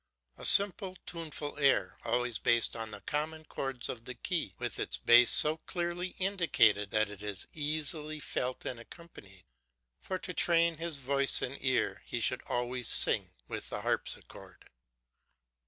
A simple, tuneful air, always based on the common chords of the key, with its bass so clearly indicated that it is easily felt and accompanied, for to train his voice and ear he should always sing with the harpsichord.